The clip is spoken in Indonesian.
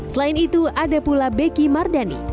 selain itu ada pula beki mardani